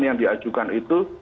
yang diajukan itu